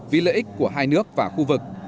vì lợi ích của hai nước và khu vực